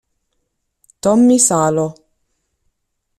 Tommy Salo